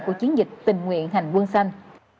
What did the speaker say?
của chiến dịch tình nguyện hành quân sanh